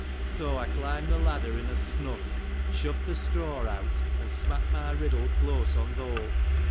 — So, I climbed the ladder, in a snuff, shoved the straw out, and smacked my riddle close on th' hole.